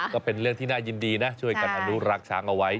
ก็เป็นเรื่องที่น่ายินดีนะช่วยกันอนุรักษ์ช้างเอาไว้